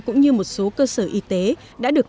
cũng như một số cơ sở y tế đã được